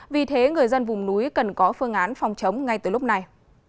vì thế người dân vùng núi cần có phương án phòng chống ngay từ lúc này